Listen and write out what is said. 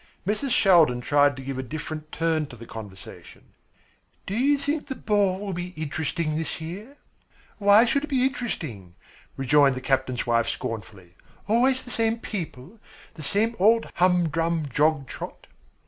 Mrs. Shaldin tried to give a different turn to the conversation. "Do you think the ball will be interesting this year?" "Why should it be interesting?" rejoined the captain's wife scornfully. "Always the same people, the same old humdrum jog trot."